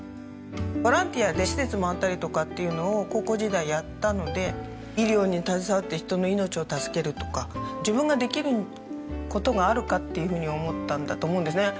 ボランティアで施設回ったりとかっていうのを高校時代やったので医療に携わって人の命を助けるとか自分ができる事があるかっていうふうに思ったんだと思うんですね。